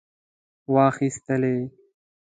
واخیستلې.